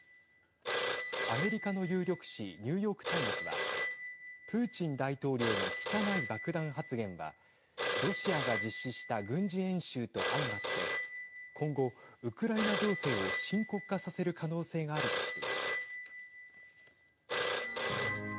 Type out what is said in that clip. アメリカの有力紙ニューヨーク・タイムズはプーチン大統領の汚い爆弾発言はロシアが実施した軍事演習と相まって今後、ウクライナ情勢を深刻化させる可能性があるとしています。